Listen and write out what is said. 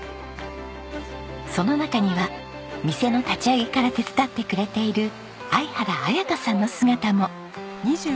その中には店の立ち上げから手伝ってくれている相原彩花さんの姿も。